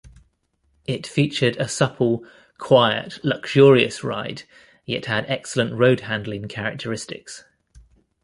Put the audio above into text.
It featured a supple, quiet luxurious ride, yet had excellent road handling characteristics.